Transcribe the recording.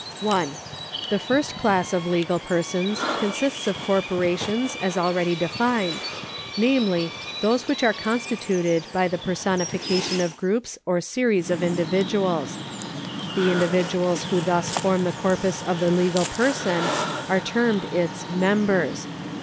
1. The first class of legal persons consists of corporations, as already defined, namely those which are constituted by the personification of groups or series of individuals. The indi viduals who thus form the corpus of the legal person are termed its members.